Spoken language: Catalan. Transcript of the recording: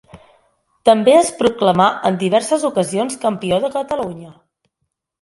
També es proclamà en diverses ocasions campió de Catalunya.